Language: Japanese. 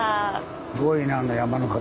すごいねあの山の形。